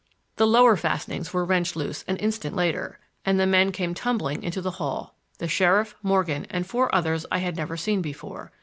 The lower fastenings were wrenched loose an instant later, and the men came tumbling into the hall, —the sheriff, Morgan and four others I had never seen before.